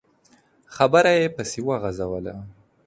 خبره يې پسې وغځوله.